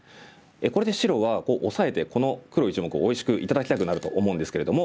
これで白はオサえてこの黒１目をおいしく頂きたくなると思うんですけれども。